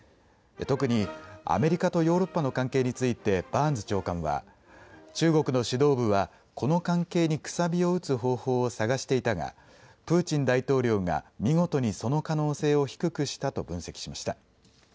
特にアメリカとヨーロッパの関係についてバーンズ長官は中国の指導部はこの関係にくさびを打つ方法を探していたがプーチン大統領が見事にその可能性を低くしたと分析しました。